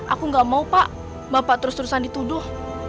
aku gak mau pak bapak terus terusan dituduh